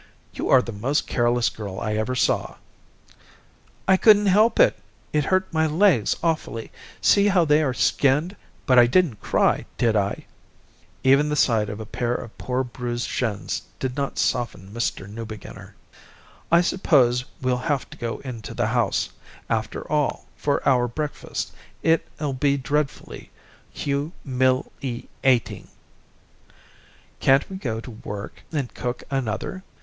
"You are the most careless girl I ever saw." "I couldn't help it. It hurt my legs awfully. See how they are skinned, but I didn't cry, did I?" Even the sight of a pair of poor, bruised shins did not soften Mr. Newbeginner. "I suppose we'll have to go into the house, after all, for our breakfast. It'll be dreadfully hu mil ia ting." "Can't we go to work and cook another?"